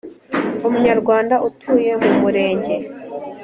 Umunyarwanda utuye mu Murenge